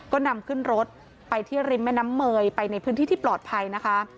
ก็นำขึ้นรถไปที่ริมแม่น้ำเมยไปในพื้นที่ที่ปลอดภัยนะคะ